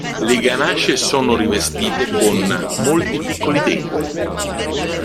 Le ganasce sono rivestite con molti piccoli denti.